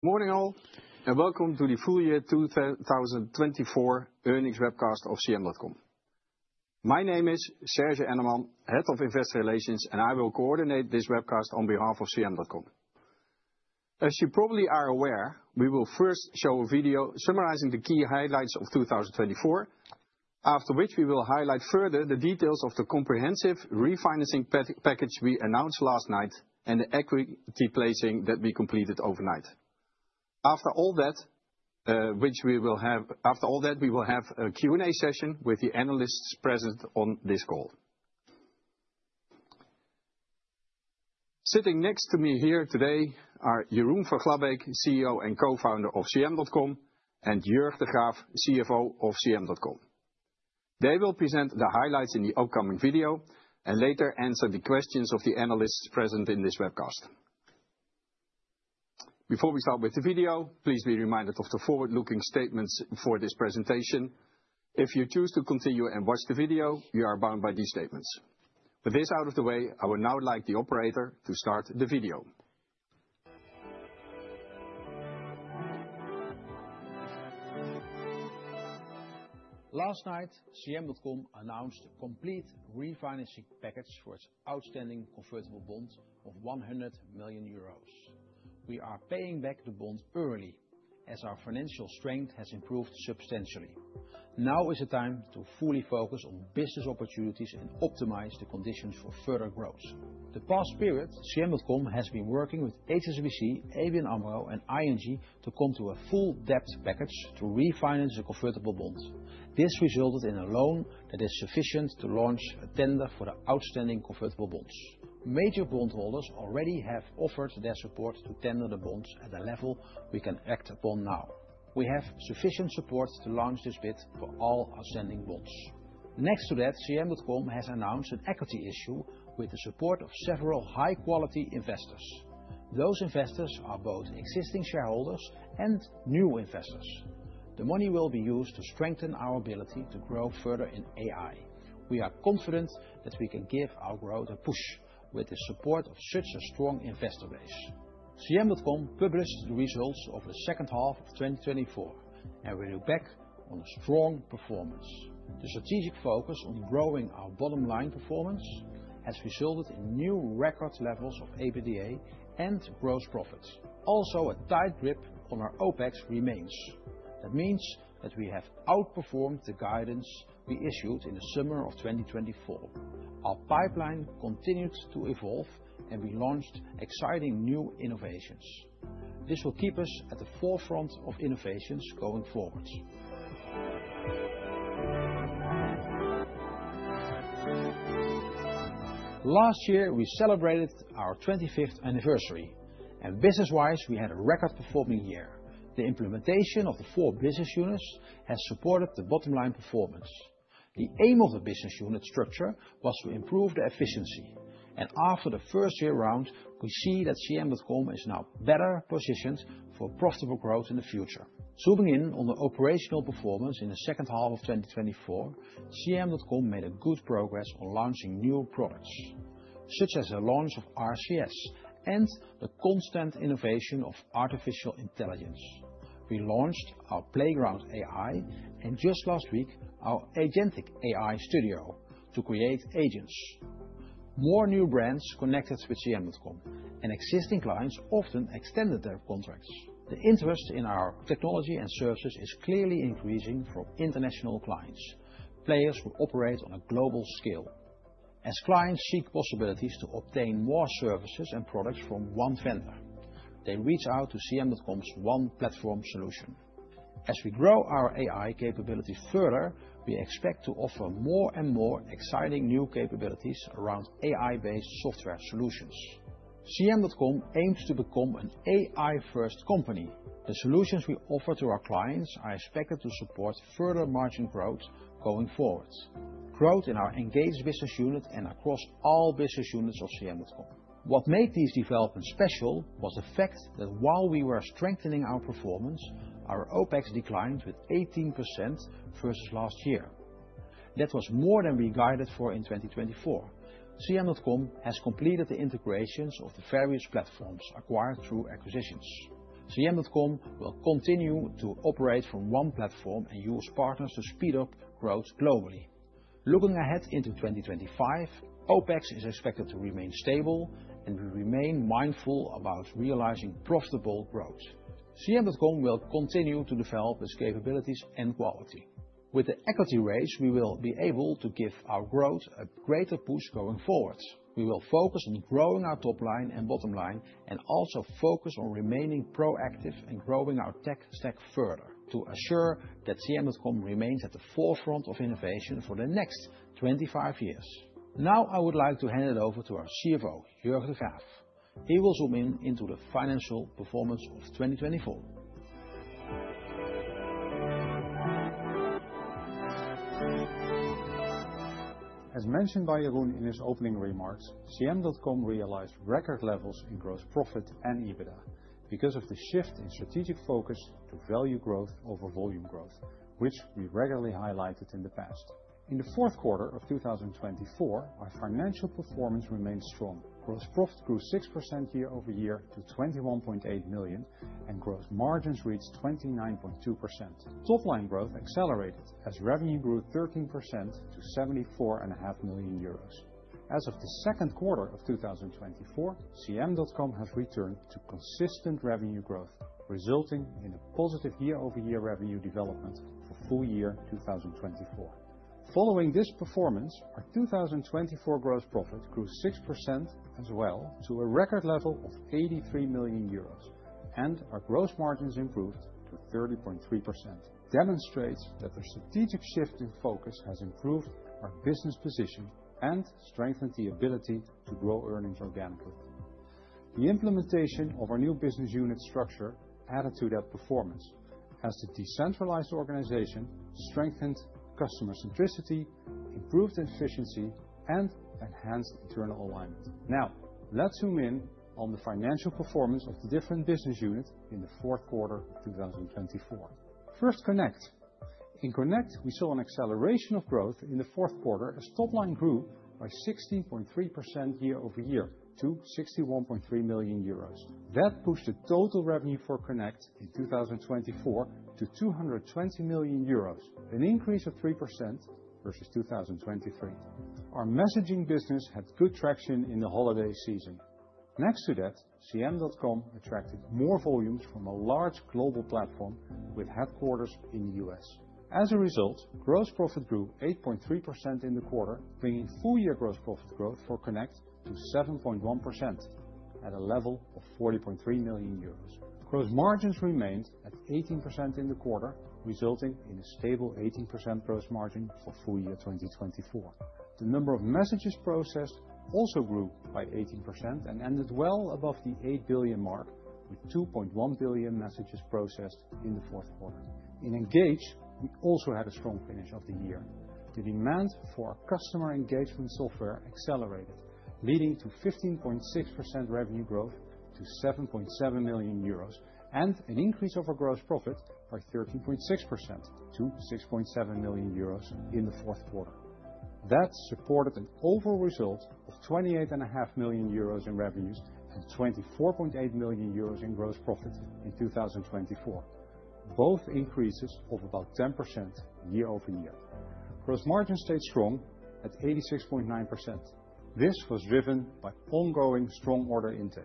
Good morning all, and welcome to the Full Year 2024 Earnings Webcast of CM.com. My name is Serge Enneman, Head of Investor Relations, and I will coordinate this webcast on behalf of CM.com. As you probably are aware, we will first show a video summarizing the key highlights of 2024, after which we will highlight further the details of the comprehensive refinancing package we announced last night and the equity placing that we completed overnight. After all that, we will have a Q&A session with the analysts present on this call. Sitting next to me here today are Jeroen van Glabbeek, CEO and co-founder of CM.com, and Jörg de Graaf, CFO of CM.com. They will present the highlights in the upcoming video and later answer the questions of the analysts present in this webcast. Before we start with the video, please be reminded of the forward-looking statements for this presentation. If you choose to continue and watch the video, you are bound by these statements. With this out of the way, I would now like the operator to start the video. Last night, CM.com announced a complete refinancing package for its outstanding convertible bond of 100 million euros. We are paying back the bond early as our financial strength has improved substantially. Now is the time to fully focus on business opportunities and optimize the conditions for further growth. The past period, CM.com has been working with HSBC, ABN AMRO, and ING to come to a full-debt package to refinance the convertible bond. This resulted in a loan that is sufficient to launch a tender for the outstanding convertible bonds. Major bondholders already have offered their support to tender the bonds at the level we can act upon now. We have sufficient support to launch this bid for all outstanding bonds. Next to that, CM.com has announced an equity issue with the support of several high-quality investors. Those investors are both existing shareholders and new investors. The money will be used to strengthen our ability to grow further in AI. We are confident that we can give our growth a push with the support of such a strong investor base. CM.com published the results of the second half of 2024, and we are back on a strong performance. The strategic focus on growing our bottom line performance has resulted in new record levels of EBITDA and gross profits. Also, a tight grip on our OPEX remains. That means that we have outperformed the guidance we issued in the summer of 2024. Our pipeline continued to evolve, and we launched exciting new innovations. This will keep us at the forefront of innovations going forward. Last year, we celebrated our 25th anniversary, and business-wise, we had a record-performing year. The implementation of the four business units has supported the bottom line performance. The aim of the business unit structure was to improve efficiency, and after the first year round, we see that CM.com is now better positioned for profitable growth in the future. Zooming in on the operational performance in the second half of 2024, CM.com made good progress on launching new products, such as the launch of RCS and the constant innovation of artificial intelligence. We launched our Playground AI, and just last week, our Agentic AI Studio to create agents. More new brands connected with CM.com, and existing clients often extended their contracts. The interest in our technology and services is clearly increasing from international clients. Players will operate on a global scale. As clients seek possibilities to obtain more services and products from one vendor, they reach out to CM.com's one-platform solution. As we grow our AI capabilities further, we expect to offer more and more exciting new capabilities around AI-based software solutions. CM.com aims to become an AI-first company. The solutions we offer to our clients are expected to support further margin growth going forward, growth in our Engage business unit and across all business units of CM.com. What made these developments special was the fact that while we were strengthening our performance, our OPEX declined with 18% versus last year. That was more than we guided for in 2024. CM.com has completed the integrations of the various platforms acquired through acquisitions. CM.com will continue to operate from one platform and use partners to speed up growth globally. Looking ahead into 2025, OPEX is expected to remain stable, and we remain mindful about realizing profitable growth. CM.com will continue to develop its capabilities and quality. With the equity raise, we will be able to give our growth a greater push going forward. We will focus on growing our top line and bottom line and also focus on remaining proactive and growing our tech stack further to assure that CM.com remains at the forefront of innovation for the next 25 years. Now, I would like to hand it over to our CFO, Jörg de Graaf. He will zoom in into the financial performance of 2024. As mentioned by Jeroen in his opening remarks, CM.com realized record levels in gross profit and EBITDA because of the shift in strategic focus to value growth over volume growth, which we regularly highlighted in the past. In the fourth quarter of 2024, our financial performance remained strong. Gross profit grew 6% year over year to 21.8 million, and gross margins reached 29.2%. Top line growth accelerated as revenue grew 13% to 74.5 million euros. As of the second quarter of 2024, CM.com has returned to consistent revenue growth, resulting in a positive year-over-year revenue development for full year 2024. Following this performance, our 2024 gross profit grew 6% as well to a record level of 83 million euros, and our gross margins improved to 30.3%. Demonstrates that the strategic shift in focus has improved our business position and strengthened the ability to grow earnings organically. The implementation of our new business unit structure added to that performance has the decentralized organization strengthened customer centricity, improved efficiency, and enhanced internal alignment. Now, let's zoom in on the financial performance of the different business units in the fourth quarter of 2024. First, Connect. In Connect, we saw an acceleration of growth in the fourth quarter as top line grew by 16.3% year over year to 61.3 million euros. That pushed the total revenue for Connect in 2024 to 220 million euros, an increase of 3% versus 2023. Our messaging business had good traction in the holiday season. Next to that, CM.com attracted more volumes from a large global platform with headquarters in the US. As a result, gross profit grew 8.3% in the quarter, bringing full year gross profit growth for Connect to 7.1% at a level of 40.3 million euros. Gross margins remained at 18% in the quarter, resulting in a stable 18% gross margin for full year 2024. The number of messages processed also grew by 18% and ended well above the 8 billion mark, with 2.1 billion messages processed in the fourth quarter. In Engage, we also had a strong finish of the year. The demand for our customer engagement software accelerated, leading to 15.6% revenue growth to 7.7 million euros and an increase of our gross profit by 13.6% to 6.7 million euros in the fourth quarter. That supported an overall result of 28.5 million euros in revenues and 24.8 million euros in gross profit in 2024, both increases of about 10% year over year. Gross margin stayed strong at 86.9%. This was driven by ongoing strong order intake.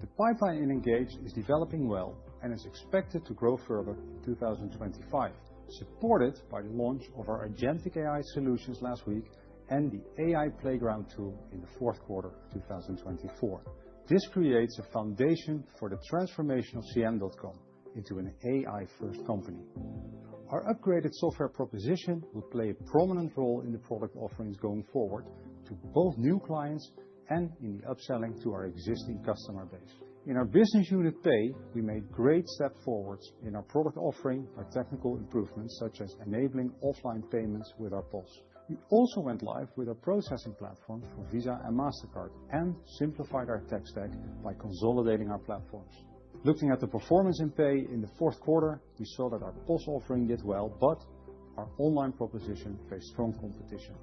The pipeline in Engage is developing well and is expected to grow further in 2025, supported by the launch of our agentic AI solutions last week and the AI Playground tool in the fourth quarter of 2024. This creates a foundation for the transformation of CM.com into an AI-first company. Our upgraded software proposition will play a prominent role in the product offerings going forward to both new clients and in the upselling to our existing customer base. In our business unit Pay, we made great steps forward in our product offering by technical improvements such as enabling offline payments with our POS. We also went live with our processing platforms for Visa and Mastercard and simplified our tech stack by consolidating our platforms. Looking at the performance in Pay in the fourth quarter, we saw that our POS offering did well, but our online proposition faced strong competition.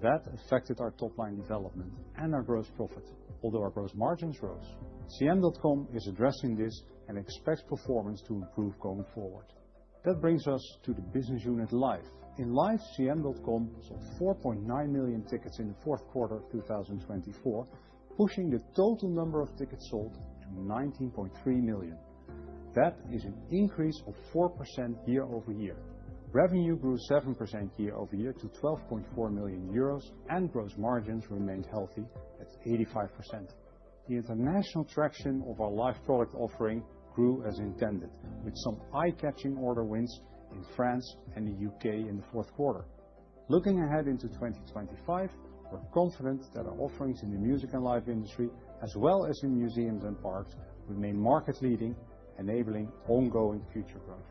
That affected our top line development and our gross profit, although our gross margins rose. CM.com is addressing this and expects performance to improve going forward. That brings us to the business unit Live. In Live, CM.com sold 4.9 million tickets in the fourth quarter of 2024, pushing the total number of tickets sold to 19.3 million. That is an increase of 4% year over year. Revenue grew 7% year over year to 12.4 million euros and gross margins remained healthy at 85%. The international traction of our Live product offering grew as intended, with some eye-catching order wins in France and the U.K. in the fourth quarter. Looking ahead into 2025, we're confident that our offerings in the music and Live industry, as well as in museums and parks, remain market-leading, enabling ongoing future growth.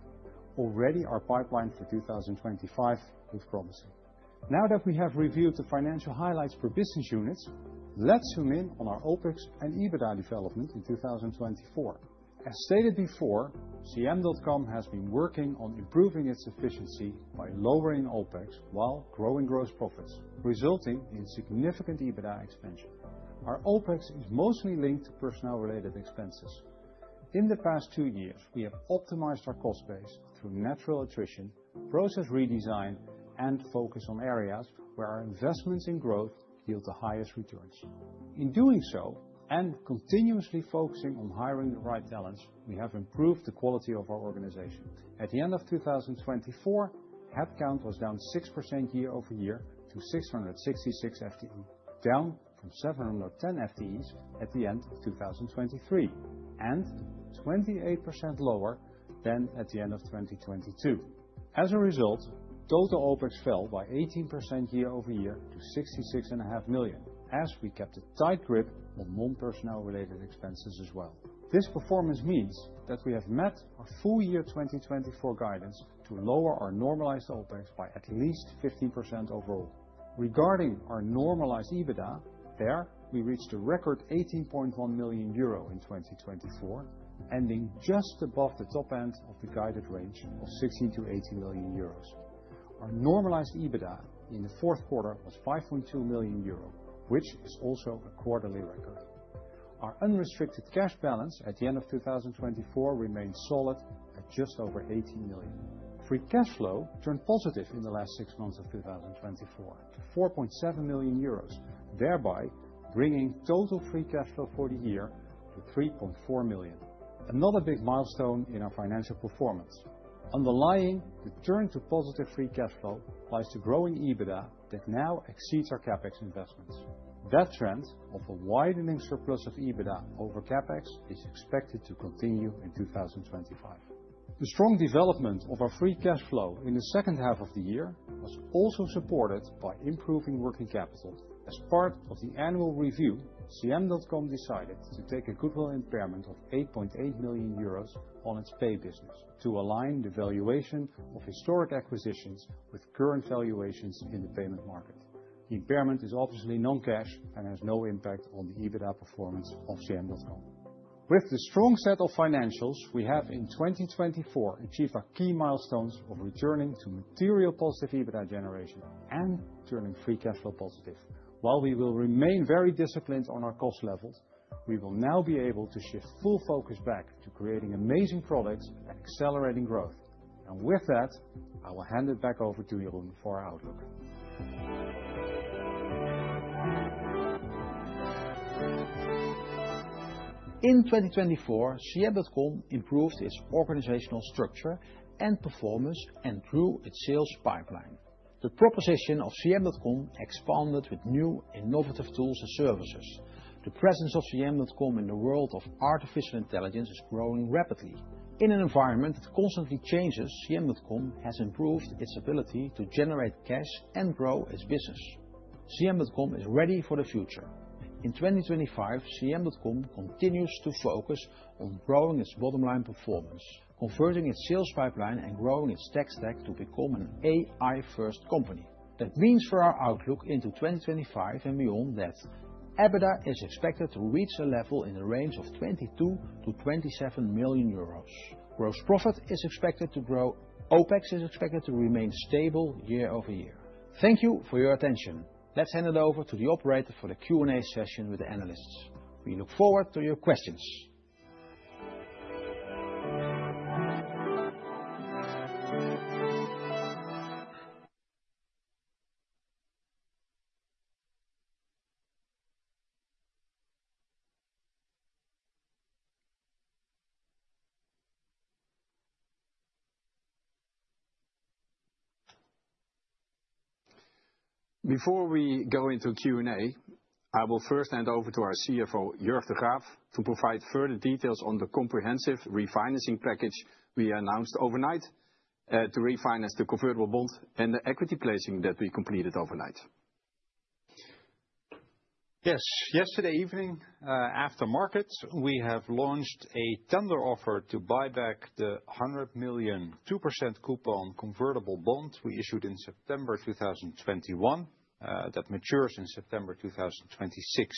Already, our pipeline for 2025 looks promising. Now that we have reviewed the financial highlights per business unit, let's zoom in on our OPEX and EBITDA development in 2024. As stated before, CM.com has been working on improving its efficiency by lowering OPEX while growing gross profits, resulting in significant EBITDA expansion. Our OPEX is mostly linked to personnel-related expenses. In the past two years, we have optimized our cost base through natural attrition, process redesign, and focus on areas where our investments in growth yield the highest returns. In doing so and continuously focusing on hiring the right talents, we have improved the quality of our organization. At the end of 2024, headcount was down 6% year over year to 666 FTE, down from 710 FTE at the end of 2023 and 28% lower than at the end of 2022. As a result, total OPEX fell by 18% year over year to 66.5 million as we kept a tight grip on non-personnel-related expenses as well. This performance means that we have met our full year 2024 guidance to lower our normalized OPEX by at least 15% overall. Regarding our normalized EBITDA, there we reached a record 18.1 million euro in 2024, ending just above the top end of the guided range of 16-18 million euros. Our normalized EBITDA in the fourth quarter was 5.2 million euro, which is also a quarterly record. Our unrestricted cash balance at the end of 2024 remained solid at just over 18 million. Free cash flow turned positive in the last six months of 2024 to 4.7 million euros, thereby bringing total free cash flow for the year to 3.4 million. Another big milestone in our financial performance. Underlying the turn to positive free cash flow lies the growing EBITDA that now exceeds our CapEx investments. That trend of a widening surplus of EBITDA over CapEx is expected to continue in 2025. The strong development of our free cash flow in the second half of the year was also supported by improving working capital. As part of the annual review, CM.com decided to take a goodwill impairment of 8.8 million euros on its Pay business to align the valuation of historic acquisitions with current valuations in the payment market. The impairment is obviously non-cash and has no impact on the EBITDA performance of CM.com. With the strong set of financials, we have in 2024 achieved our key milestones of returning to material positive EBITDA generation and turning free cash flow positive. While we will remain very disciplined on our cost levels, we will now be able to shift full focus back to creating amazing products and accelerating growth. With that, I will hand it back over to Jeroen for our outlook. In 2024, CM.com improved its organizational structure and performance and grew its sales pipeline. The proposition of CM.com expanded with new innovative tools and services. The presence of CM.com in the world of artificial intelligence is growing rapidly. In an environment that constantly changes, CM.com has improved its ability to generate cash and grow its business. CM.com is ready for the future. In 2025, CM.com continues to focus on growing its bottom line performance, converting its sales pipeline and growing its tech stack to become an AI-first company. That means for our outlook into 2025 and beyond that, EBITDA is expected to reach a level in the range of 22 million-27 million euros. Gross profit is expected to grow. OPEX is expected to remain stable year over year. Thank you for your attention. Let's hand it over to the operator for the Q&A session with the analysts. We look forward to your questions. Before we go into Q&A, I will first hand over to our CFO, Jörg de Graaf, to provide further details on the comprehensive refinancing package we announced overnight to refinance the convertible bond and the equity placing that we completed overnight. Yes, yesterday evening, after market, we have launched a tender offer to buy back the 100 million 2% coupon convertible bond we issued in September 2021 that matures in September 2026.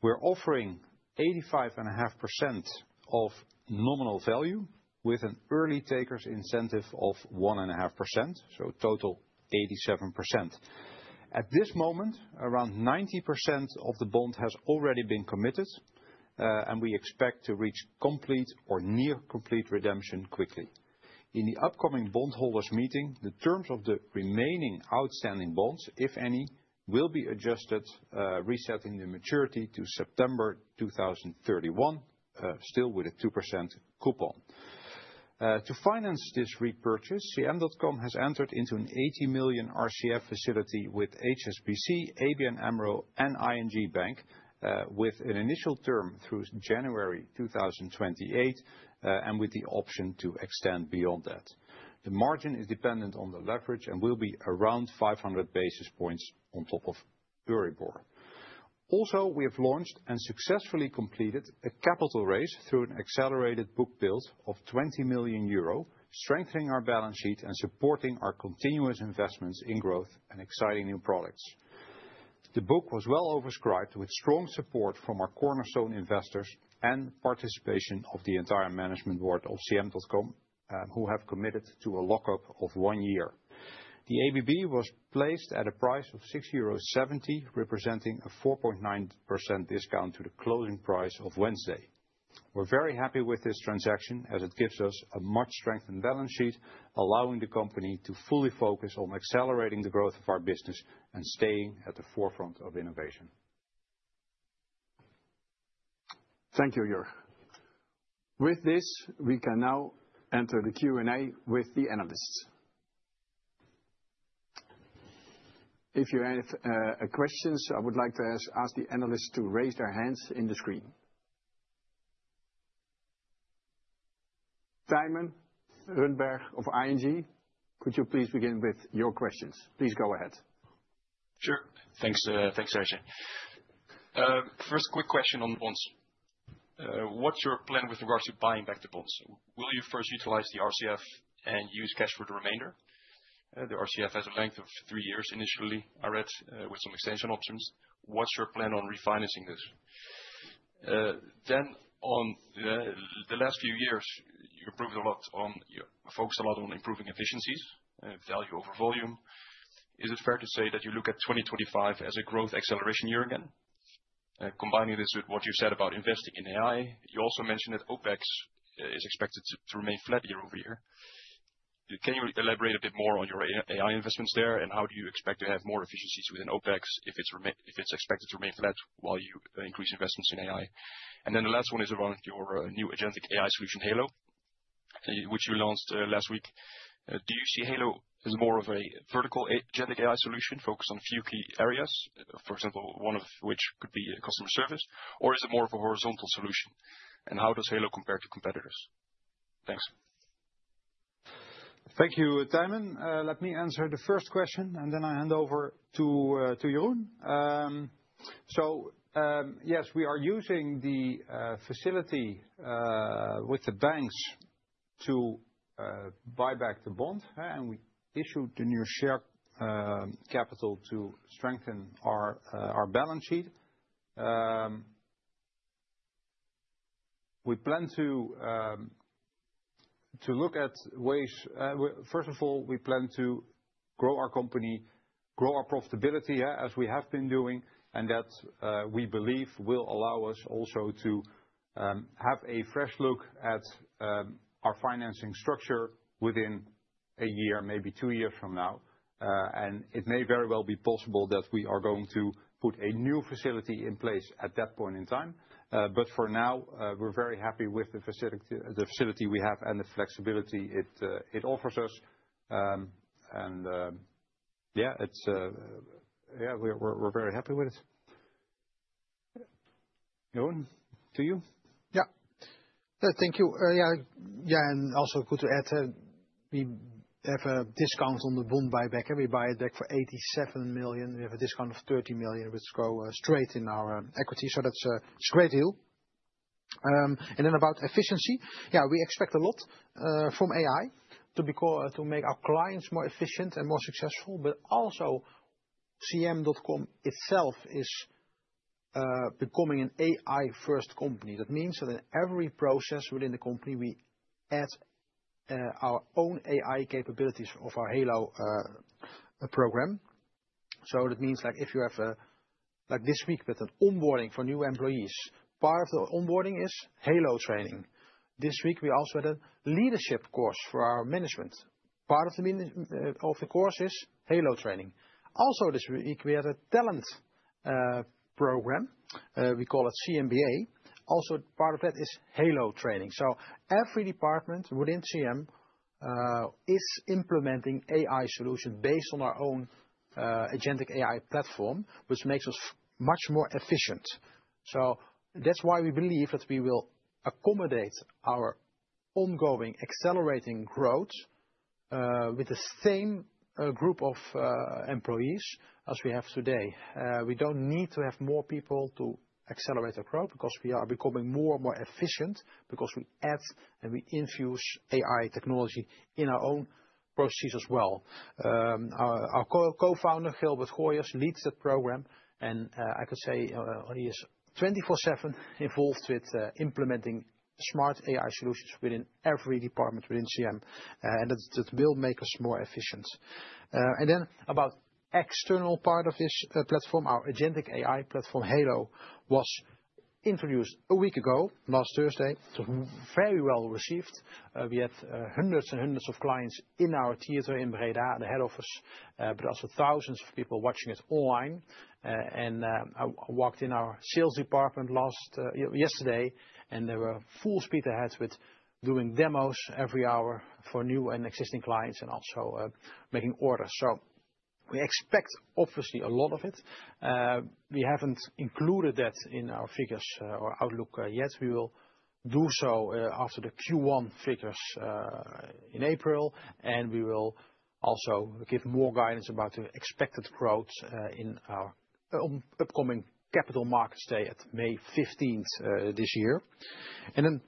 We're offering 85.5% of nominal value with an early taker's incentive of 1.5%, so total 87%. At this moment, around 90% of the bond has already been committed, and we expect to reach complete or near complete redemption quickly. In the upcoming bondholders' meeting, the terms of the remaining outstanding bonds, if any, will be adjusted, resetting the maturity to September 2031, still with a 2% coupon. To finance this repurchase, CM.com has entered into an 80 million RCF facility with HSBC, ABN AMRO, and ING, with an initial term through January 2028 and with the option to extend beyond that. The margin is dependent on the leverage and will be around 500 basis points on top of Euribor. Also, we have launched and successfully completed a capital raise through an accelerated book build of 20 million euro, strengthening our balance sheet and supporting our continuous investments in growth and exciting new products. The book was well oversubscribed with strong support from our cornerstone investors and participation of the entire management board of CM.com, who have committed to a lockup of one year. The ABB was placed at a price of 6.70 euro, representing a 4.9% discount to the closing price of Wednesday. We're very happy with this transaction as it gives us a much-strengthened balance sheet, allowing the company to fully focus on accelerating the growth of our business and staying at the forefront of innovation. Thank you, Jörg. With this, we can now enter the Q&A with the analysts. If you have any questions, I would like to ask the analysts to raise their hands in the screen. Thymen Rundberg of ING, could you please begin with your questions? Please go ahead. Sure. Thanks, Serge. First, a quick question on the bonds. What's your plan with regards to buying back the bonds? Will you first utilize the RCF and use cash for the remainder? The RCF has a length of three years initially, I read, with some extension options. What's your plan on refinancing this? On the last few years, you improved a lot. You focused a lot on improving efficiencies, value over volume. Is it fair to say that you look at 2025 as a growth acceleration year again? Combining this with what you said about investing in AI, you also mentioned that OPEX is expected to remain flat year over year. Can you elaborate a bit more on your AI investments there, and how do you expect to have more efficiencies within OPEX if it's expected to remain flat while you increase investments in AI? The last one is around your new agentic AI solution, Halo, which you launched last week. Do you see Halo as more of a vertical agentic AI solution focused on a few key areas, for example, one of which could be customer service? Or is it more of a horizontal solution, and how does Halo compare to competitors? Thanks. Thank you, Thymen. Let me answer the first question, and then I hand over to Jeroen. Yes, we are using the facility with the banks to buy back the bond, and we issued the new share capital to strengthen our balance sheet. We plan to look at ways. First of all, we plan to grow our company, grow our profitability as we have been doing, and that we believe will allow us also to have a fresh look at our financing structure within a year, maybe two years from now. It may very well be possible that we are going to put a new facility in place at that point in time. For now, we're very happy with the facility we have and the flexibility it offers us. Yeah, we're very happy with it. Jeroen, to you. Yeah, thank you. Yeah, and also good to add. We have a discount on the bond buyback. We buy it back for 87 million. We have a discount of 30 million, which goes straight in our equity. That's a great deal. About efficiency, yeah, we expect a lot from AI to make our clients more efficient and more successful. Also, CM.com itself is becoming an AI-first company. That means that in every process within the company, we add our own AI capabilities of our Halo program. That means like if you have a, like this week with an onboarding for new employees, part of the onboarding is Halo training. This week we also had a leadership course for our management. Part of the course is Halo training. Also, this week we had a talent program. We call it CMBA. Also, part of that is Halo training. Every department within CM is implementing AI solutions based on our own agentic AI platform, which makes us much more efficient. That is why we believe that we will accommodate our ongoing accelerating growth with the same group of employees as we have today. We do not need to have more people to accelerate our growth because we are becoming more and more efficient because we add and we infuse AI technology in our own processes as well. Our Co-founder, Gilbert Gooijers, leads that program, and I could say he is 24/7 involved with implementing smart AI solutions within every department within CM.com, and that will make us more efficient. About the external part of this platform, our agentic AI platform Halo was introduced a week ago, last Thursday. It was very well received. We had hundreds and hundreds of clients in our theater in Breda, the head office, but also thousands of people watching it online. I walked in our sales department yesterday, and they were full speed ahead with doing demos every hour for new and existing clients and also making orders. We expect obviously a lot of it. We have not included that in our figures or outlook yet. We will do so after the Q1 figures in April, and we will also give more guidance about the expected growth in our upcoming capital markets day at May 15th this year.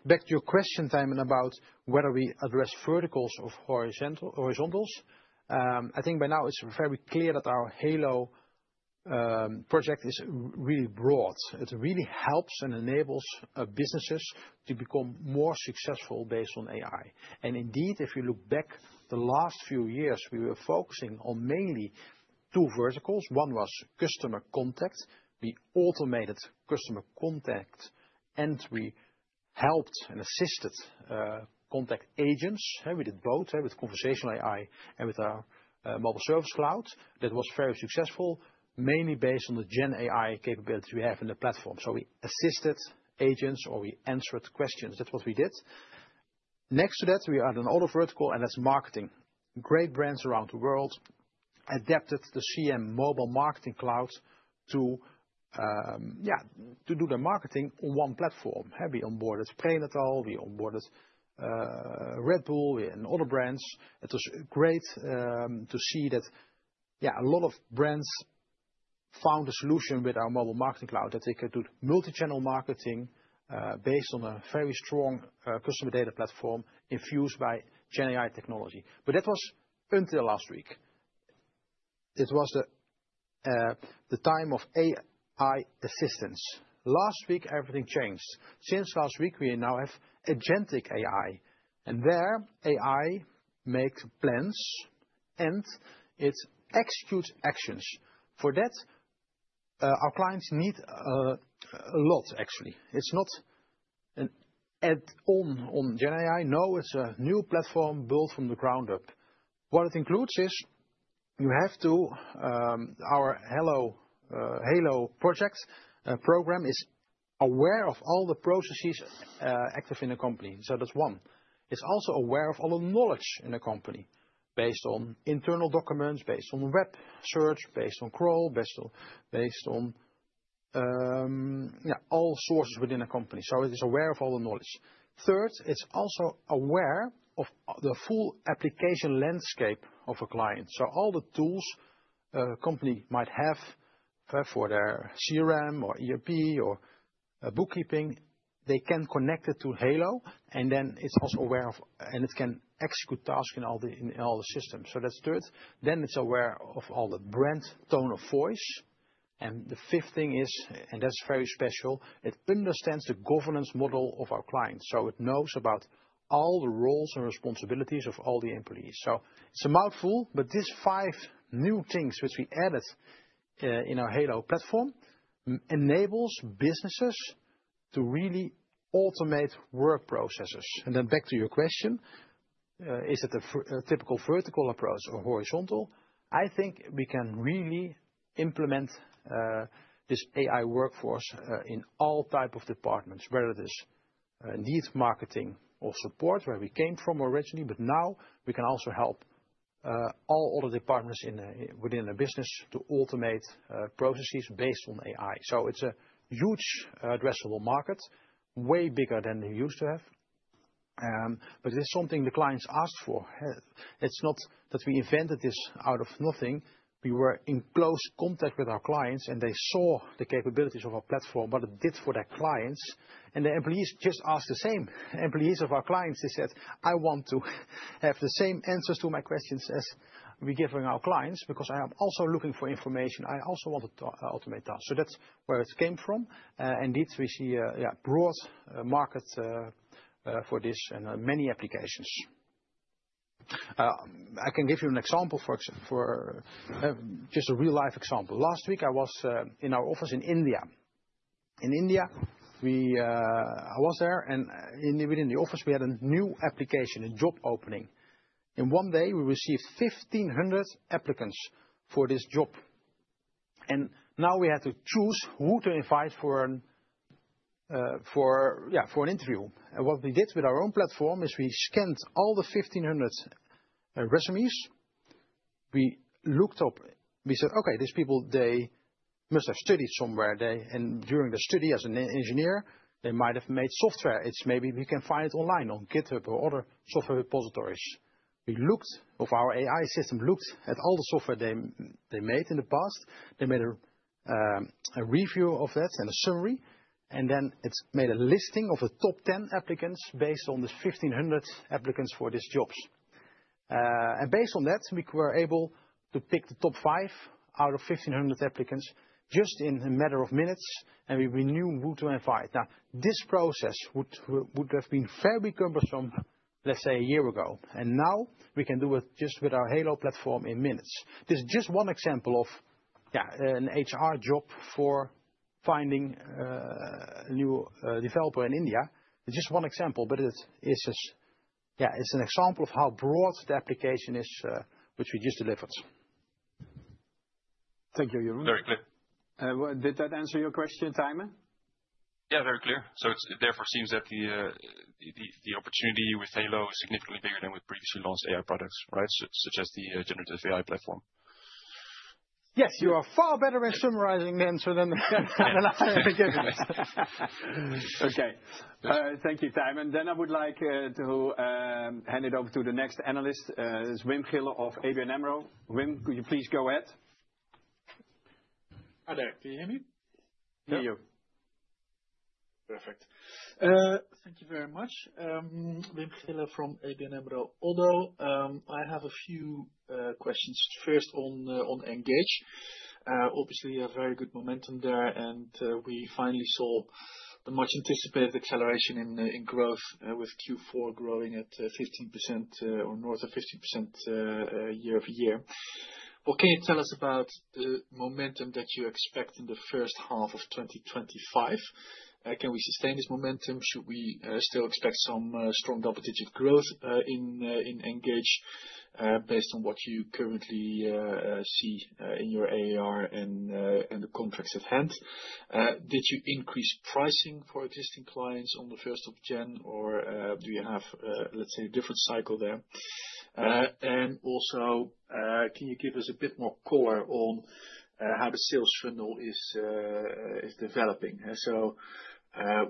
Back to your question, Thymen, about whether we address verticals or horizontals. I think by now it is very clear that our Halo project is really broad. It really helps and enables businesses to become more successful based on AI. Indeed, if you look back the last few years, we were focusing on mainly two verticals. One was customer contact. We automated customer contact, and we helped and assisted contact agents. We did both with conversational AI and with our Mobile Service Cloud. That was very successful, mainly based on the Gen AI capabilities we have in the platform. So we assisted agents or we answered questions. That's what we did. Next to that, we had another vertical, and that's marketing. Great brands around the world adapted the CM Mobile Marketing Cloud to do their marketing on one platform. We onboarded Prénatal. We onboarded Red Bull and other brands. It was great to see that a lot of brands found a solution with our Mobile Marketing Cloud that they could do multi-channel marketing based on a very strong customer data platform infused by Gen AI technology. That was until last week. It was the time of AI assistance. Last week, everything changed. Since last week, we now have agentic AI, and there AI makes plans and it executes actions. For that, our clients need a lot, actually. It's not an add-on on Gen AI. No, it's a new platform built from the ground up. What it includes is you have to, our Halo project program is aware of all the processes active in the company. That's one. It's also aware of all the knowledge in the company based on internal documents, based on web search, based on crawl, based on all sources within a company. It is aware of all the knowledge. Third, it's also aware of the full application landscape of a client. All the tools a company might have for their CRM or ERP or bookkeeping, they can connect it to Halo, and then it's also aware of, and it can execute tasks in all the systems. That's third. Then it's aware of all the brand tone of voice. The fifth thing is, and that's very special, it understands the governance model of our client. It knows about all the roles and responsibilities of all the employees. It's a mouthful, but these five new things which we added in our Halo platform enable businesses to really automate work processes. Back to your question, is it a typical vertical approach or horizontal? I think we can really implement this AI workforce in all types of departments, whether it is indeed marketing or support, where we came from originally. Now we can also help all other departments within a business to automate processes based on AI. It's a huge addressable market, way bigger than they used to have. It is something the clients asked for. It's not that we invented this out of nothing. We were in close contact with our clients, and they saw the capabilities of our platform, what it did for their clients. The employees just asked, the same employees of our clients. They said, "I want to have the same answers to my questions as we're giving our clients because I am also looking for information. I also want to automate tasks." That is where it came from. Indeed, we see a broad market for this and many applications. I can give you an example, just a real-life example. Last week, I was in our office in India. In India, I was there, and within the office, we had a new application, a job opening. In one day, we received 1,500 applicants for this job. Now we had to choose who to invite for an interview. What we did with our own platform is we scanned all the 1,500 resumes. We looked up, we said, "Okay, these people, they must have studied somewhere. During their study as an engineer, they might have made software. Maybe we can find it online on GitHub or other software repositories." We looked, our AI system looked at all the software they made in the past. They made a review of that and a summary. It made a listing of the top 10 applicants based on the 1,500 applicants for these jobs. Based on that, we were able to pick the top five out of 1,500 applicants just in a matter of minutes, and we knew who to invite. This process would have been very cumbersome, let's say, a year ago. Now we can do it just with our Halo platform in minutes. This is just one example of an HR job for finding a new developer in India. It's just one example, but it is an example of how broad the application is, which we just delivered. Thank you, Jeroen. Very clear. Did that answer your question, Thymen? Yeah, very clear. It therefore seems that the opportunity with Halo is significantly bigger than with previously launched AI products, right? Such as the generative AI platform. Yes, you are far better at summarizing the answer than I'm giving it. Okay. Thank you, Thymen. I would like to hand it over to the next analyst. It's Wim Gille of ABN AMRO. Wim, could you please go ahead? Hi there. Can you hear me? No. Perfect. Thank you very much. Wim Gille from ABN AMRO, Although, I have a few questions. First, on Engage. Obviously, a very good momentum there. We finally saw the much-anticipated acceleration in growth with Q4 growing at 15% or north of 15% year over year. What can you tell us about the momentum that you expect in the first half of 2025? Can we sustain this momentum? Should we still expect some strong double-digit growth in Engage based on what you currently see in your ARR and the contracts at hand? Did you increase pricing for existing clients on the first of January, or do you have, let's say, a different cycle there? Also, can you give us a bit more color on how the sales funnel is developing?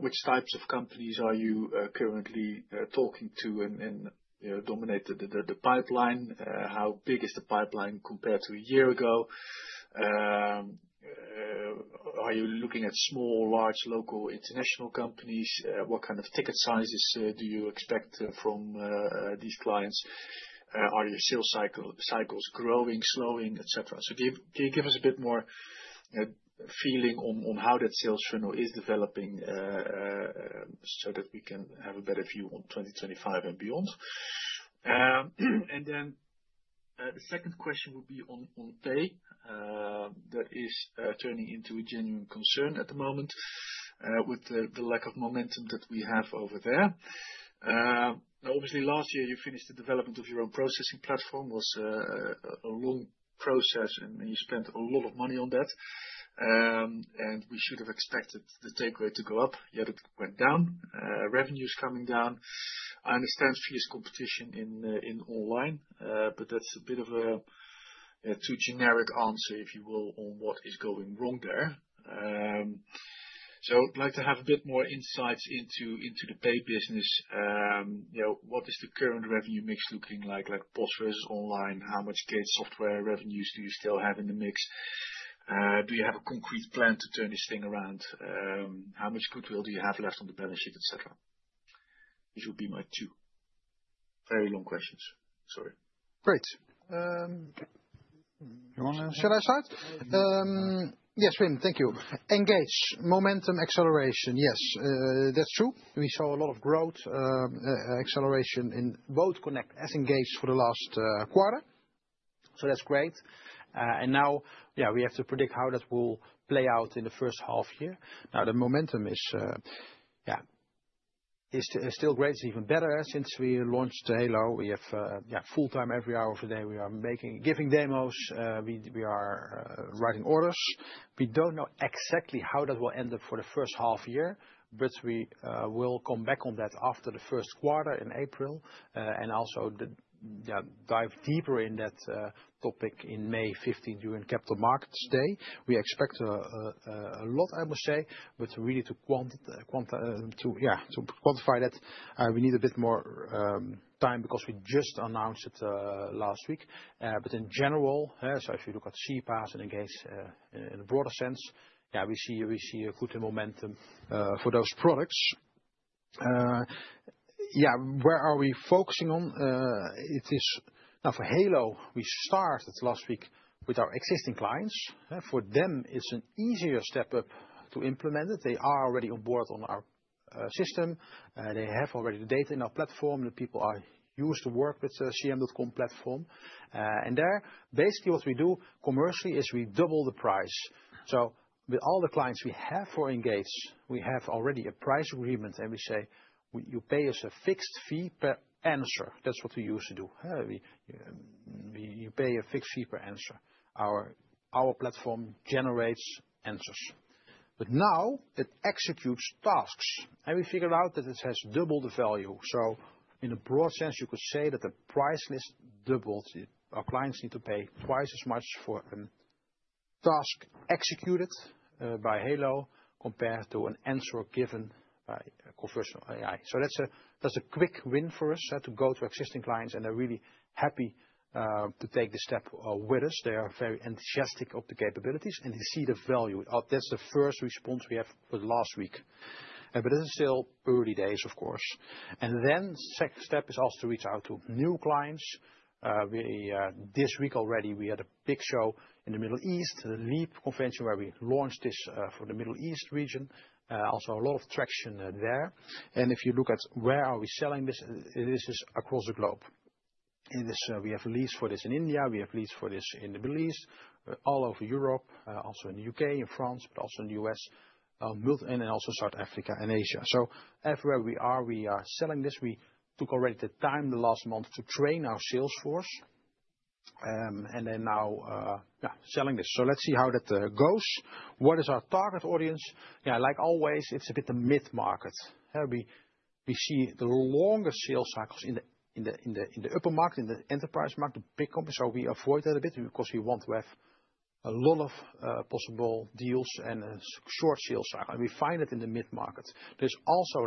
Which types of companies are you currently talking to and dominate the pipeline? How big is the pipeline compared to a year ago? Are you looking at small, large, local, international companies? What kind of ticket sizes do you expect from these clients? Are your sales cycles growing, slowing, etc.? Can you give us a bit more feeling on how that sales funnel is developing so that we can have a better view on 2025 and beyond? The second question would be on pay. That is turning into a genuine concern at the moment with the lack of momentum that we have over there. Obviously, last year, you finished the development of your own processing platform. It was a long process, and you spent a lot of money on that. We should have expected the take rate to go up. Yet it went down. Revenue is coming down. I understand fierce competition in online, but that is a bit of a too generic answer, if you will, on what is going wrong there. I would like to have a bit more insights into the Pay business. What is the current revenue mix looking like? Like POS versus online? How much gate software revenues do you still have in the mix? Do you have a concrete plan to turn this thing around? How much goodwill do you have left on the balance sheet, etc.? These would be my two very long questions. Sorry. Great. Should I start? Yes, Wim, thank you. Engage, momentum acceleration. Yes, that's true. We saw a lot of growth, acceleration in both Connect and Engage for the last quarter. That's great. Now, yeah, we have to predict how that will play out in the first half year. The momentum is still great. It's even better since we launched Halo. We have full-time every hour of the day. We are giving demos. We are writing orders. We don't know exactly how that will end up for the first half year, but we will come back on that after the first quarter in April and also dive deeper in that topic in May 15th during Capital Markets Day. We expect a lot, I must say, but really to quantify that, we need a bit more time because we just announced it last week. In general, if you look at CPaaS and Engage in a broader sense, yeah, we see a good momentum for those products. Where are we focusing on? Now, for Halo, we started last week with our existing clients. For them, it's an easier step up to implement it. They are already on board on our system. They have already the data in our platform. The people I use to work with CM.com platform. There, basically, what we do commercially is we double the price. With all the clients we have for Engage, we have already a price agreement, and we say, "You pay us a fixed fee per answer." That's what we used to do. You pay a fixed fee per answer. Our platform generates answers. Now it executes tasks, and we figured out that it has doubled the value. In a broad sense, you could say that the price list doubled. Our clients need to pay twice as much for a task executed by Halo compared to an answer given by conversational AI. That's a quick win for us to go to existing clients, and they're really happy to take the step with us. They are very enthusiastic of the capabilities, and they see the value. That's the first response we have for the last week. This is still early days, of course. The second step is also to reach out to new clients. This week already, we had a big show in the Middle East, the LEAP convention, where we launched this for the Middle East region. Also, a lot of traction there. If you look at where are we selling this, this is across the globe. We have leads for this in India. We have leads for this in the Middle East, all over Europe, also in the U.K. and France, but also in the U.S., and also South Africa and Asia. Everywhere we are, we are selling this. We took already the time the last month to train our sales force, and now selling this. Let's see how that goes. What is our target audience? Yeah, like always, it's a bit the mid-market. We see the longer sales cycles in the upper market, in the enterprise market, the big companies. We avoid that a bit because we want to have a lot of possible deals and a short sales cycle. We find it in the mid-market. There are also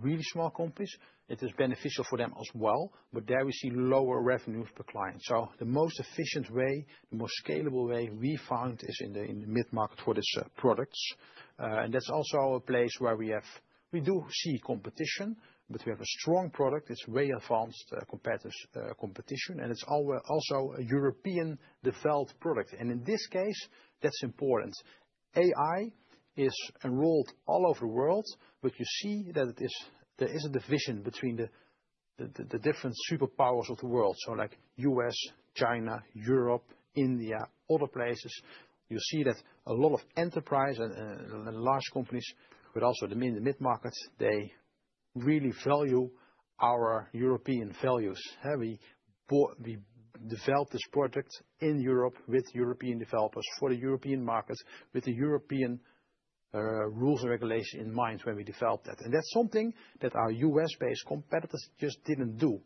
really small companies. It is beneficial for them as well, but there we see lower revenue per client. The most efficient way, the most scalable way we found is in the mid-market for these products. That is also a place where we do see competition, but we have a strong product. It is way advanced compared to competition, and it is also a European-developed product. In this case, that is important. AI is enrolled all over the world, but you see that there is a division between the different superpowers of the world. Like US, China, Europe, India, other places, you'll see that a lot of enterprises and large companies, but also in the mid-markets, they really value our European values. We developed this product in Europe with European developers for the European markets, with the European rules and regulations in mind when we developed that. That's something that our US-based competitors just didn't do.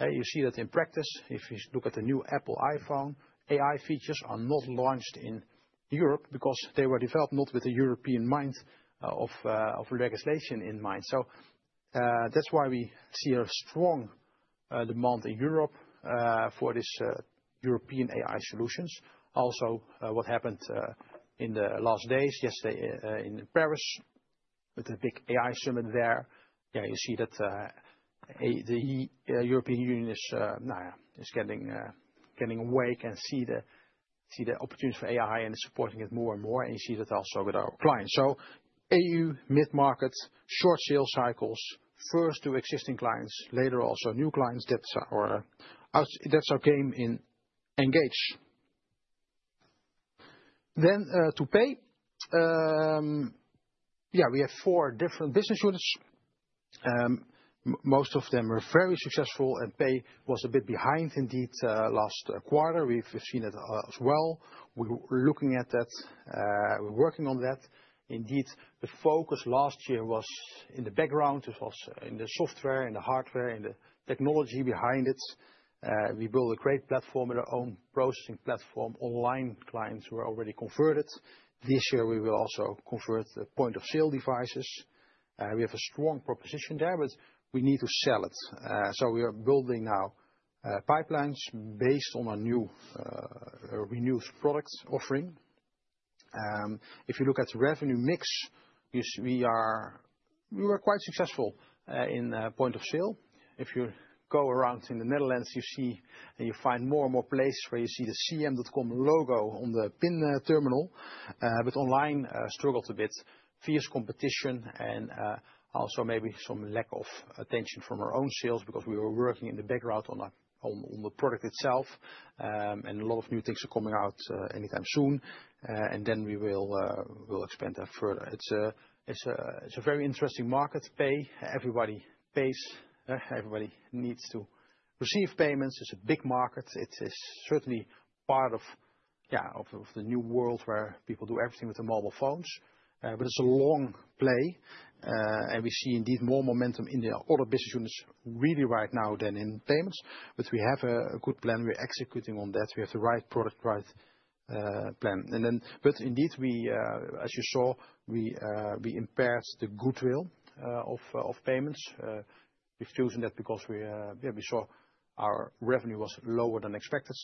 You see that in practice. If you look at the new Apple iPhone, AI features are not launched in Europe because they were developed not with a European mind of legislation in mind. That's why we see a strong demand in Europe for these European AI solutions. Also, what happened in the last days, yesterday in Paris with the big AI summit there, you see that the European Union is getting awake and see the opportunities for AI and supporting it more and more. You see that also with our clients. EU, mid-market, short sales cycles, first to existing clients, later also new clients. That is our game in Engage. To pay, we have four different business units. Most of them were very successful, and pay was a bit behind indeed last quarter. We have seen it as well. We are looking at that. We are working on that. Indeed, the focus last year was in the background. It was in the software, in the hardware, in the technology behind it. We built a great platform, their own processing platform, online clients who are already converted. This year, we will also convert point-of-sale devices. We have a strong proposition there, but we need to sell it. We are building now pipelines based on our new renewed product offering. If you look at the revenue mix, we were quite successful in point-of-sale. If you go around in the Netherlands, you see and you find more and more places where you see the CM.com logo on the pin terminal. Online, struggled a bit, fierce competition, and also maybe some lack of attention from our own sales because we were working in the background on the product itself. A lot of new things are coming out anytime soon. We will expand that further. It's a very interesting market. Pay, everybody pays. Everybody needs to receive payments. It's a big market. It is certainly part of the new world where people do everything with the mobile phones. It's a long play. We see indeed more momentum in the other business units really right now than in payments. We have a good plan. We're executing on that. We have the right product, right plan. Indeed, as you saw, we impaired the goodwill of payments. We've chosen that because we saw our revenue was lower than expected.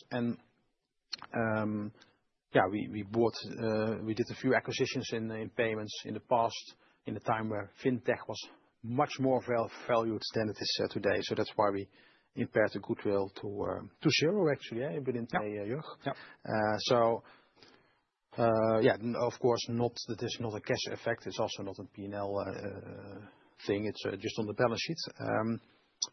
Yeah, we did a few acquisitions in payments in the past, in a time where fintech was much more valued than it is today. That's why we impaired the goodwill to zero, actually, within Jörg. Yeah, of course, that is not a cash effect. It's also not a P&L thing. It's just on the balance sheet.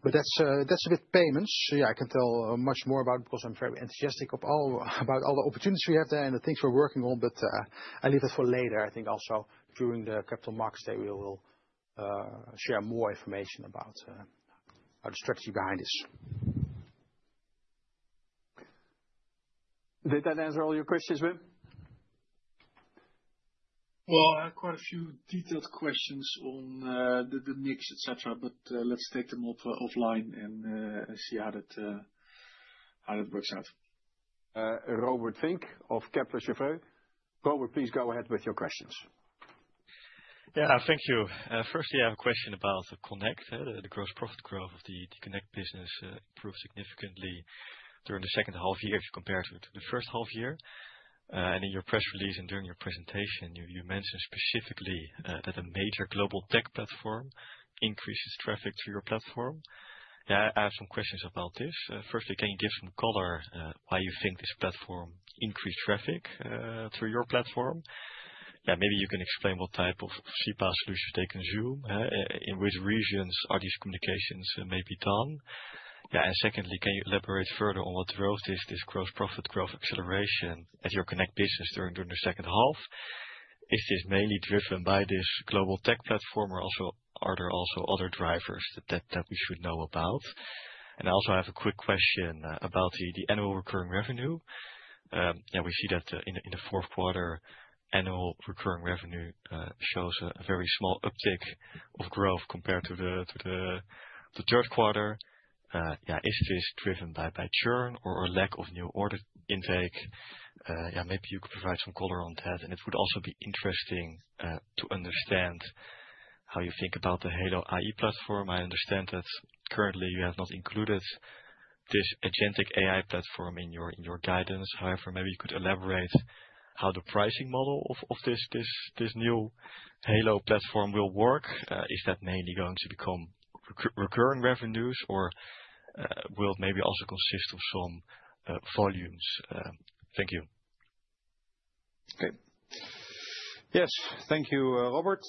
That's with payments. Yeah, I can tell much more about it because I'm very enthusiastic about all the opportunities we have there and the things we're working on. I'll leave that for later, I think, also during the Capital Markets Day, we will share more information about the strategy behind this. Did that answer all your questions, Wim? I had quite a few detailed questions on the mix, etc., but let's take them offline and see how it works out. Robert Vink of Kepler Cheuvreux. Robert, please go ahead with your questions. Yeah, thank you. First, I have a question about Connect. The gross profit growth of the Connect business improved significantly during the second half year compared to the first half year. In your press release and during your presentation, you mentioned specifically that a major global tech platform increases traffic through your platform. Yeah, I have some questions about this. Firstly, can you give some color why you think this platform increased traffic through your platform? Maybe you can explain what type of CPaaS solutions they consume, in which regions are these communications maybe done. Yeah, and secondly, can you elaborate further on what drove this gross profit growth acceleration at your Connect business during the second half? Is this mainly driven by this global tech platform, or are there also other drivers that we should know about? I also have a quick question about the annual recurring revenue. Yeah, we see that in the fourth quarter, annual recurring revenue shows a very small uptick of growth compared to the third quarter. Yeah, is this driven by churn or a lack of new order intake? Maybe you could provide some color on that. It would also be interesting to understand how you think about the Halo AI platform. I understand that currently you have not included this agentic AI platform in your guidance. However, maybe you could elaborate how the pricing model of this new Halo platform will work. Is that mainly going to become recurring revenues, or will it maybe also consist of some volumes? Thank you. Okay. Yes, thank you, Robert.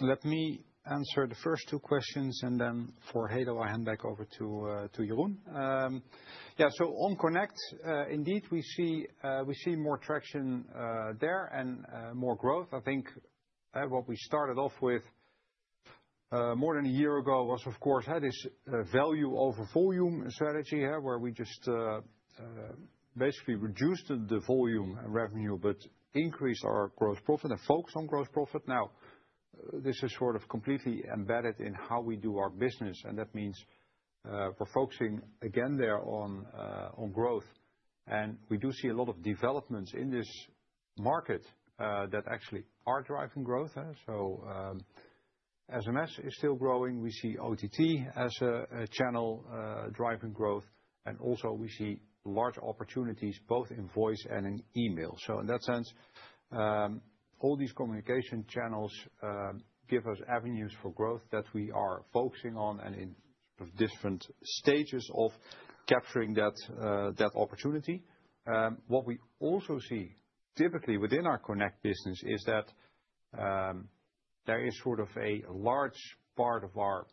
Let me answer the first two questions, and then for Halo, I'll hand back over to Jeroen. Yeah, on Connect, indeed, we see more traction there and more growth. I think what we started off with more than a year ago was, of course, this value over volume strategy where we just basically reduced the volume revenue, but increased our gross profit and focused on gross profit. Now, this is sort of completely embedded in how we do our business, and that means we're focusing again there on growth. We do see a lot of developments in this market that actually are driving growth. SMS is still growing. We see OTT as a channel driving growth, and also we see large opportunities both in voice and in email. In that sense, all these communication channels give us avenues for growth that we are focusing on and in different stages of capturing that opportunity. What we also see typically within our Connect business is that there is sort of a large part of our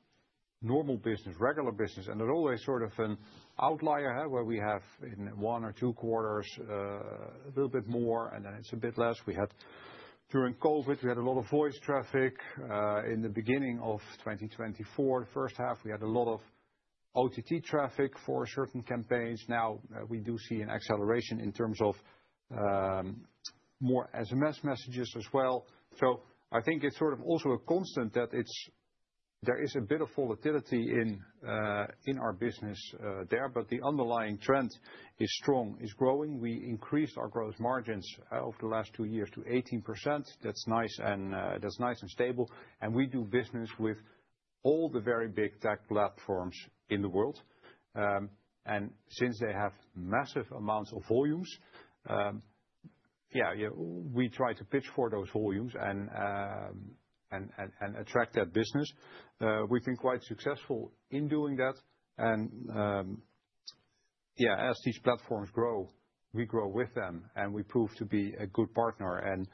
normal business, regular business, and there's always sort of an outlier where we have in one or two quarters a little bit more, and then it's a bit less. During COVID, we had a lot of voice traffic. In the beginning of 2024, the first half, we had a lot of OTT traffic for certain campaigns. Now, we do see an acceleration in terms of more SMS messages as well. I think it's sort of also a constant that there is a bit of volatility in our business there, but the underlying trend is strong, is growing. We increased our gross margins over the last two years to 18%. That's nice and stable. We do business with all the very big tech platforms in the world. Since they have massive amounts of volumes, we try to pitch for those volumes and attract that business. We've been quite successful in doing that. As these platforms grow, we grow with them, and we prove to be a good partner and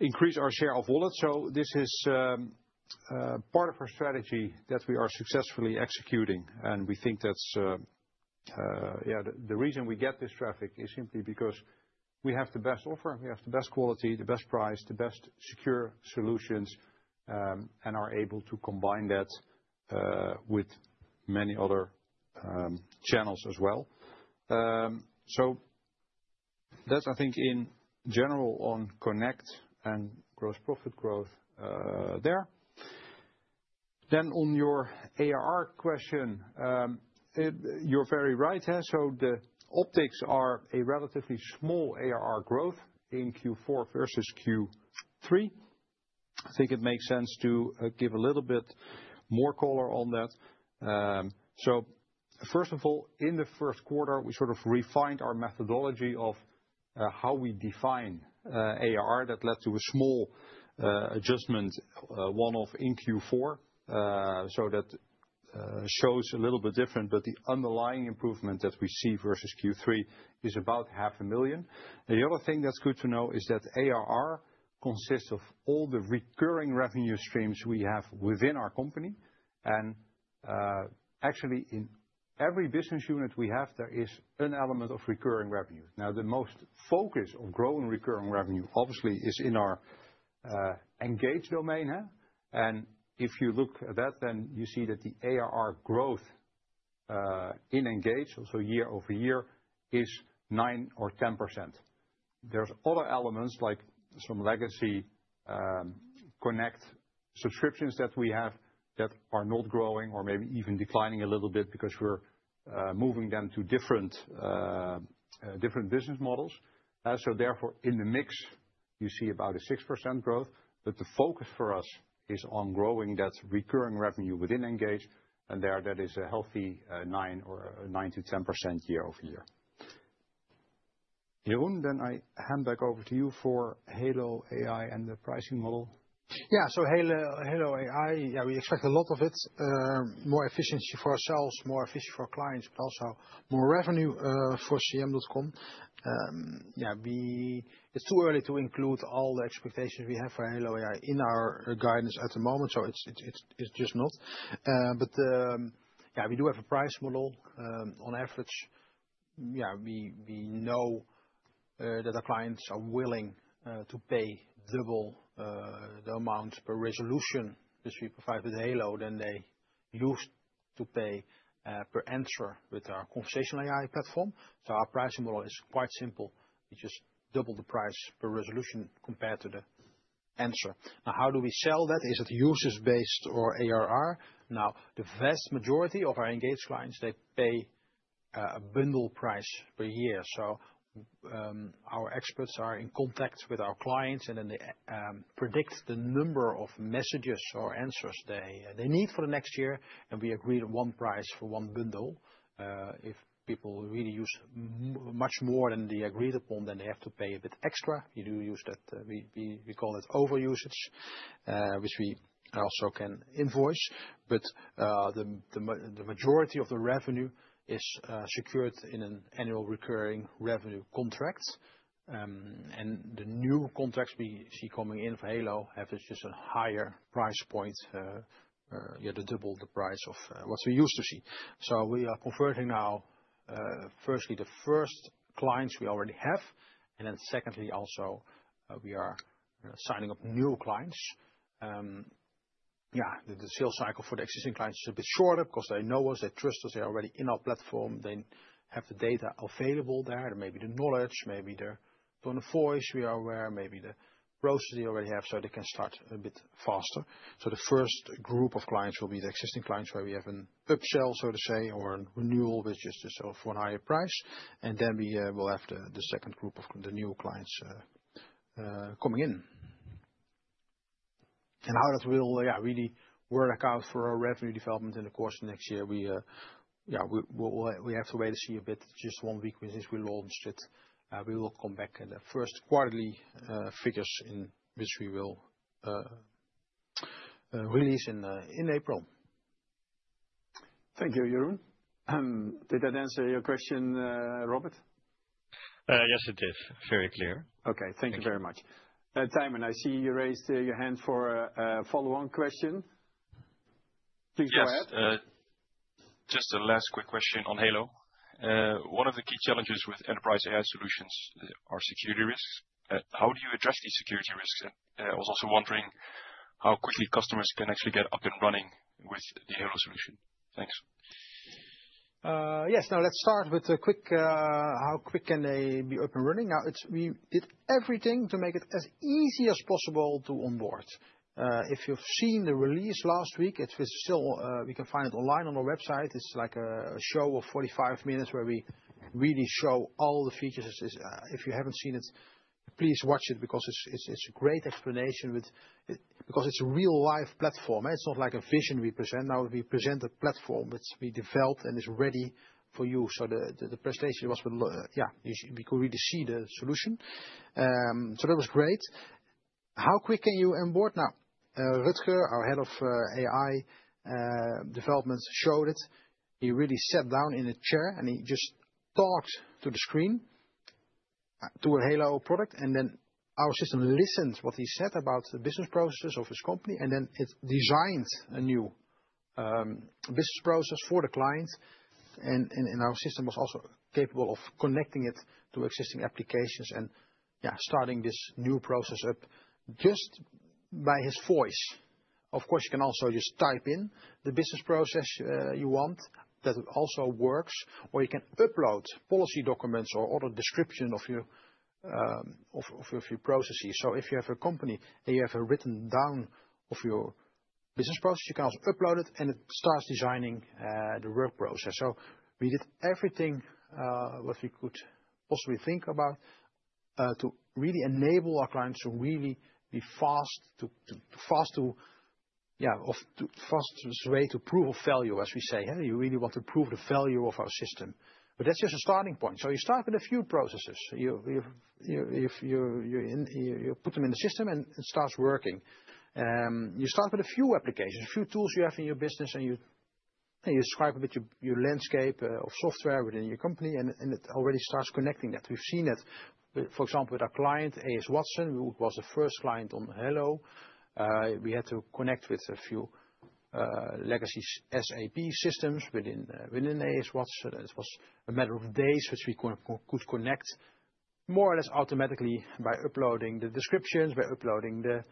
increase our share of wallet. This is part of our strategy that we are successfully executing. We think that's the reason we get this traffic is simply because we have the best offer. We have the best quality, the best price, the best secure solutions, and are able to combine that with many other channels as well. That is, I think, in general on Connect and gross profit growth there. On your ARR question, you're very right. The optics are a relatively small ARR growth in Q4 versus Q3. I think it makes sense to give a little bit more color on that. First of all, in the first quarter, we sort of refined our methodology of how we define ARR. That led to a small adjustment, one-off in Q4, so that shows a little bit different. The underlying improvement that we see versus Q3 is about 500,000. The other thing that's good to know is that ARR consists of all the recurring revenue streams we have within our company. Actually, in every business unit we have, there is an element of recurring revenue. The most focus of growing recurring revenue, obviously, is in our Engage domain. If you look at that, then you see that the ARR growth in Engage, so year over year, is 9% or 10%. There are other elements like some legacy Connect subscriptions that we have that are not growing or maybe even declining a little bit because we are moving them to different business models. Therefore, in the mix, you see about a 6% growth. The focus for us is on growing that recurring revenue within Engage. There, that is a healthy 9% or 9%-10% year over year. Jeroen, I hand back over to you for Halo AI and the pricing model. Yeah, so Halo AI, yeah, we expect a lot of it. More efficiency for ourselves, more efficiency for our clients, but also more revenue for CM.com. Yeah, it's too early to include all the expectations we have for Halo AI in our guidance at the moment, so it's just not. Yeah, we do have a price model. On average, yeah, we know that our clients are willing to pay double the amount per resolution that we provide with Halo, than they used to pay per answer with our conversational AI platform. Our pricing model is quite simple. We just double the price per resolution compared to the answer. Now, how do we sell that? Is it users-based or ARR? The vast majority of our Engage clients, they pay a bundle price per year. Our experts are in contact with our clients, and then they predict the number of messages or answers they need for the next year. We agreed on one price for one bundle. If people really use much more than they agreed upon, they have to pay a bit extra. We do use that. We call it overusage, which we also can invoice. The majority of the revenue is secured in an annual recurring revenue contract. The new contracts we see coming in for Halo have just a higher price point, double the price of what we used to see. We are converting now, firstly, the first clients we already have. Secondly, also we are signing up new clients. Yeah, the sales cycle for the existing clients is a bit shorter because they know us, they trust us, they're already in our platform, they have the data available there, maybe the knowledge, maybe the tone of voice we are aware, maybe the process they already have so they can start a bit faster. The first group of clients will be the existing clients where we have an upsell, so to say, or a renewal for a higher price. Then we will have the second group of the new clients coming in. How that will really work out for our revenue development in the course of next year, we have to wait to see a bit. Just one week since we launched it. We will come back at the first quarterly figures which we will release in April. Thank you, Jeroen. Did that answer your question, Robert? Yes, it did. Very clear. Okay, thank you very much. Thymen, I see you raised your hand for a follow-on question. Please go ahead. Yes, just a last quick question on Halo. One of the key challenges with enterprise AI solutions are security risks. How do you address these security risks? I was also wondering how quickly customers can actually get up and running with the Halo solution. Thanks. Yes, now let's start with how quick can they be up and running. We did everything to make it as easy as possible to onboard. If you've seen the release last week, you can find it online on our website. It's like a show of 45 minutes where we really show all the features. If you haven't seen it, please watch it because it's a great explanation because it's a real-life platform. It's not like a vision we present. Now, we present a platform that we developed and is ready for you. The presentation was, yeah, we could really see the solution. That was great. How quick can you onboard now? Rutger, our Head of AI Development, showed it. He really sat down in a chair, and he just talked to the screen to a Halo product. Our system listened to what he said about the business processes of his company. It designed a new business process for the client. Our system was also capable of connecting it to existing applications and starting this new process up just by his voice. Of course, you can also just type in the business process you want. That also works. You can upload policy documents or other descriptions of your processes. If you have a company and you have a written down of your business process, you can also upload it, and it starts designing the work process. We did everything we could possibly think about to really enable our clients to really be fast to fast way to prove value, as we say. You really want to prove the value of our system. That's just a starting point. You start with a few processes. You put them in the system, and it starts working. You start with a few applications, a few tools you have in your business, and you describe a bit your landscape of software within your company, and it already starts connecting that. We've seen that, for example, with our client, A.S. Watson, who was the first client on Halo. We had to connect with a few legacy SAP systems within A.S. Watson. It was a matter of days which we could connect more or less automatically by uploading the descriptions, by uploading the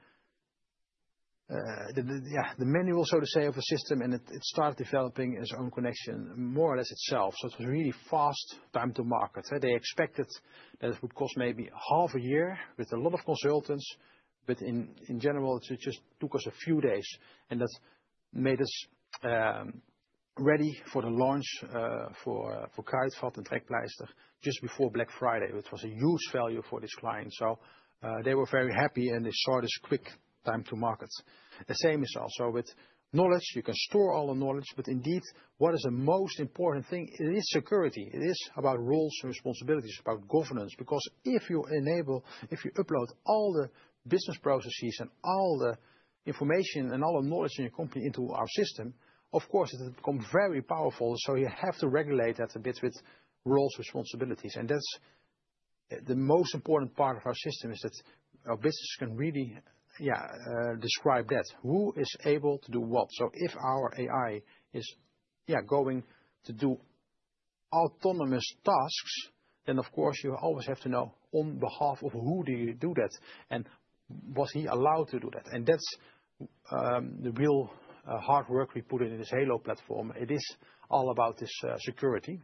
manual, so to say, of the system. It started developing its own connection more or less itself. It was really fast time to market. They expected that it would cost maybe half a year with a lot of consultants. In general, it just took us a few days. That made us ready for the launch for Kruidvat and Trekpleister just before Black Friday, which was a huge value for this client. They were very happy, and they saw this quick time to market. The same is also with knowledge. You can store all the knowledge. Indeed, what is the most important thing? It is security. It is about roles and responsibilities, about governance. Because if you enable, if you upload all the business processes and all the information and all the knowledge in your company into our system, of course, it becomes very powerful. You have to regulate that a bit with roles and responsibilities. That's the most important part of our system is that our business can really describe that. Who is able to do what? If our AI is going to do autonomous tasks, then of course, you always have to know on behalf of who do you do that and was he allowed to do that? That's the real hard work we put in this Halo platform. It is all about this security,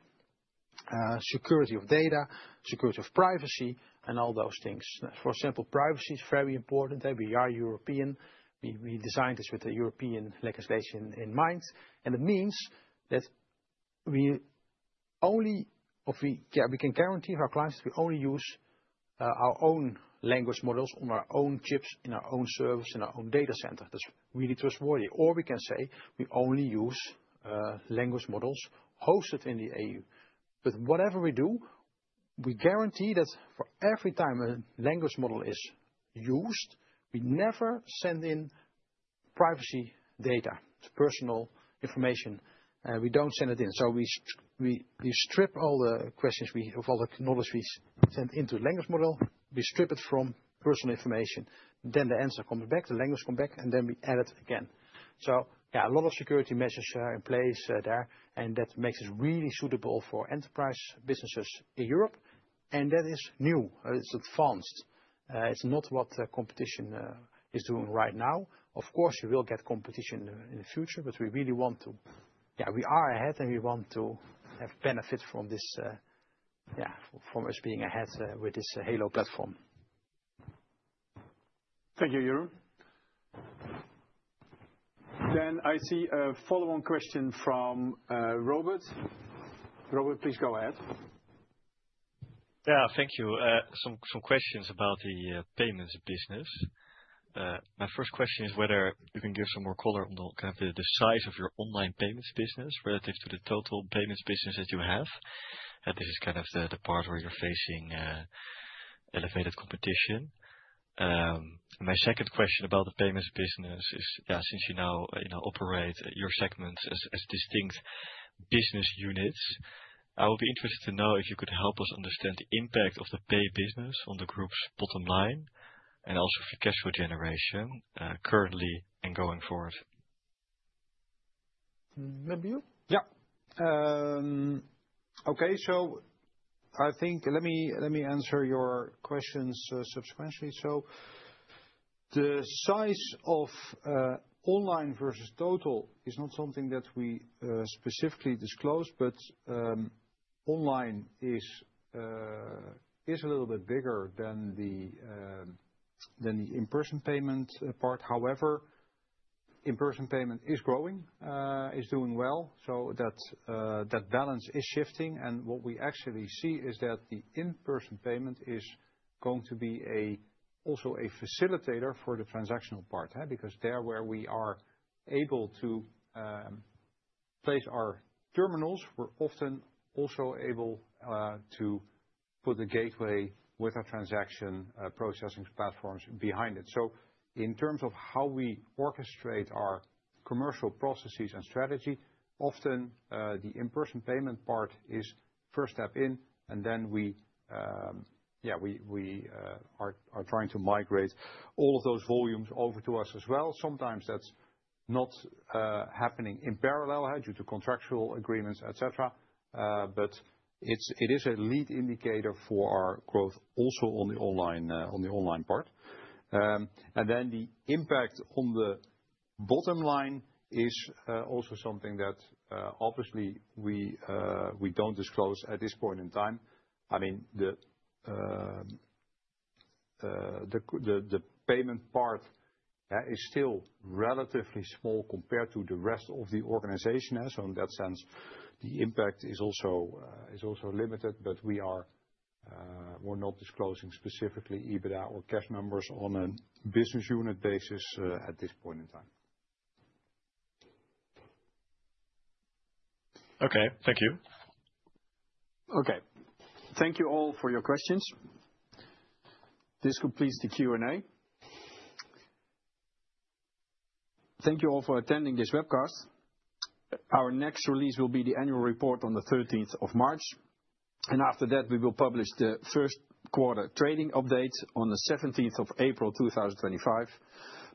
security of data, security of privacy, and all those things. For example, privacy is very important. We are European. We designed this with the European legislation in mind. It means that we only, we can guarantee our clients that we only use our own language models on our own chips in our own service in our own data center. That's really trustworthy. Or we can say we only use language models hosted in the EU. Whatever we do, we guarantee that for every time a language model is used, we never send in privacy data. It's personal information. We don't send it in. We strip all the questions of all the knowledge we send into the language model. We strip it from personal information. The answer comes back, the language comes back, and then we add it again. A lot of security measures are in place there. That makes it really suitable for enterprise businesses in Europe. That is new. It's advanced. It's not what competition is doing right now. Of course, you will get competition in the future, but we really want to, yeah, we are ahead and we want to have benefit from this, yeah, from us being ahead with this Halo platform. Thank you, Jeroen. I see a follow-on question from Robert. Robert, please go ahead. Yeah, thank you. Some questions about the payments business. My first question is whether you can give some more color on the kind of the size of your online payments business relative to the total payments business that you have. This is kind of the part where you're facing elevated competition. My second question about the payments business is, yeah, since you now operate your segments as distinct business units, I would be interested to know if you could help us understand the impact of the Pay business on the group's bottom line and also for cash flow generation currently and going forward. Maybe you? Yeah. Okay, I think let me answer your questions subsequently. The size of online versus total is not something that we specifically disclose, but online is a little bit bigger than the in-person payment part. However, in-person payment is growing, is doing well. That balance is shifting. What we actually see is that the in-person payment is going to be also a facilitator for the transactional part. Because there where we are able to place our terminals, we're often also able to put the gateway with our transaction processing platforms behind it. In terms of how we orchestrate our commercial processes and strategy, often the in-person payment part is first step in, and then we, yeah, we are trying to migrate all of those volumes over to us as well. Sometimes that's not happening in parallel due to contractual agreements, etc. It is a lead indicator for our growth also on the online part. The impact on the bottom line is also something that obviously we don't disclose at this point in time. I mean, the payment part is still relatively small compared to the rest of the organization. In that sense, the impact is also limited, but we are not disclosing specifically EBITDA or cash numbers on a business unit basis at this point in time. Okay, thank you. Okay, thank you all for your questions. This completes the Q&A. Thank you all for attending this webcast. Our next release will be the annual report on the 13th of March. After that, we will publish the first quarter trading updates on the 17th of April 2025.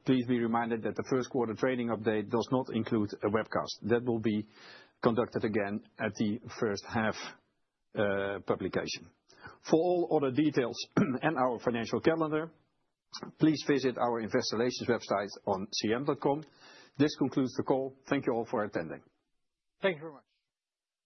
Please be reminded that the first quarter trading update does not include a webcast. That will be conducted again at the first half publication. For all other details and our financial calendar, please visit our investor relations website on CM.com. This concludes the call. Thank you all for attending. Thank you very much.